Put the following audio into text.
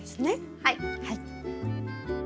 はい。